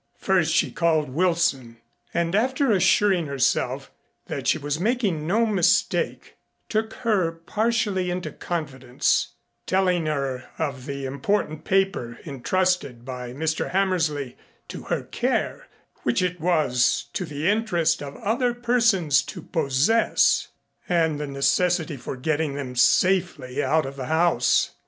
First she called Wilson and after assuring herself that she was making no mistake, took her partially into confidence, telling her of the important paper intrusted by Mr. Hammersley to her care which it was to the interest of other persons to possess and the necessity for getting them safely out of the house.